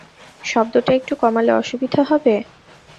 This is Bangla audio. শব্দটা একটু কমালে অসুবিধা হবে?